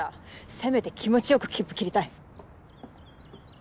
せめて気持ち良く切符切りたい。